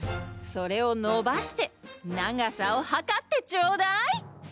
それをのばして長さをはかってちょうだい！